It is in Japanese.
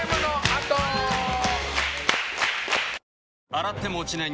洗っても落ちない